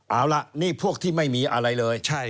เอาล่ะนี่พวกที่ไม่มีอะไรเลย